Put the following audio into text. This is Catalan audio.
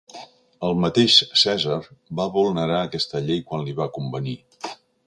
El mateix Cèsar va vulnerar aquesta llei quan li va convenir.